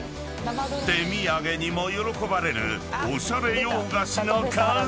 ［手土産にも喜ばれるおしゃれ洋菓子の数々］